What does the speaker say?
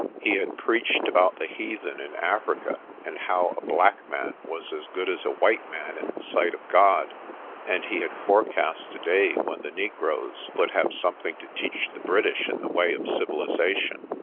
He had preached about the heathen in Africa, and how a black man was as good as a white man in the sight of God, and he had forecast a day when the negroes would have some thing to teach the British in the way of civilisation.